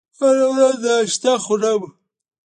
هره ورځ ناشته خورم